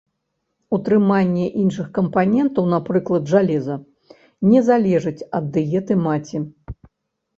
Утрыманне іншых кампанентаў, напрыклад, жалеза, не залежыць ад дыеты маці.